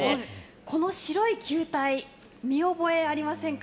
この白い球体見覚えありませんか？